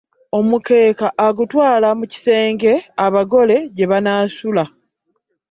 Omukeeka agutwala mu kisenge abagole gye banaasula.